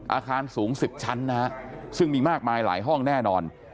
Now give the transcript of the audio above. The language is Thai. อาคารสูง๑๐ชั้นนะฮะซึ่งมีมากมายหลายห้องแน่นอน